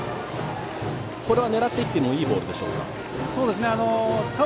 狙っていってもいいボールでしたでしょうか。